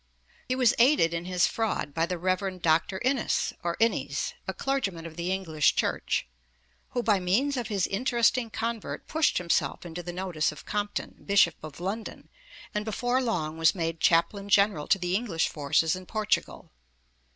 He was aided in his fraud by the Rev. Dr. Innes, or Innys, a clergyman of the English Church, who by means of his interesting convert pushed himself into the notice of Compton, Bishop of London, and before long was made chaplain general to the English forces in Portugal (Memoirs, p.